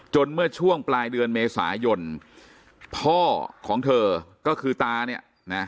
เมื่อช่วงปลายเดือนเมษายนพ่อของเธอก็คือตาเนี่ยนะ